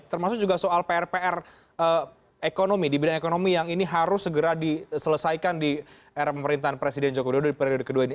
termasuk juga soal pr pr ekonomi di bidang ekonomi yang ini harus segera diselesaikan di era pemerintahan presiden joko widodo di periode kedua ini